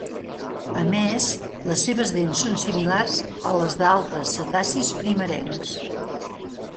A més, les seves dents són similars a les d'altres cetacis primerencs.